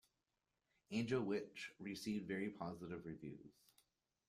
"Angel Witch" received generally very positive reviews.